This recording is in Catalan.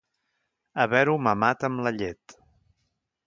Haver-ho mamat amb la llet.